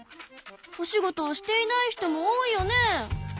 お仕事をしていない人も多いよね？